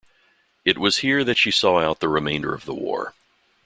It was here that she saw out the remainder of the war.